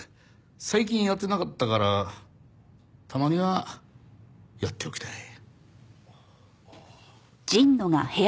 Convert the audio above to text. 最近やってなかったからたまにはやっておきたい。